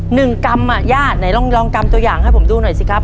กรรมอ่ะญาติไหนลองกำตัวอย่างให้ผมดูหน่อยสิครับ